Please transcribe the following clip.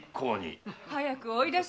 早く追い出しや。